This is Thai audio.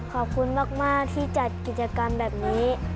ขอบคุณมากที่จัดกิจกรรมแบบนี้